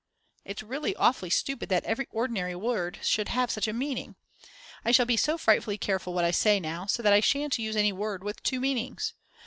It's really awfully stupid that every ordinary word should have such a meaning. I shall be so frightfully careful what I say now, so that I shan't use any word with two meanings.